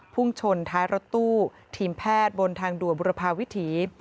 พุ่งชนท้ายรถตู้ทีมแพทย์บนทางด่วนบุรพาวิถี